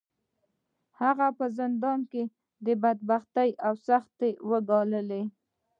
هغه په زندان کې بدبختۍ او سختۍ وګاللې.